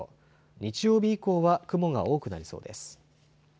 日曜日以降は雲が多くなりそうです。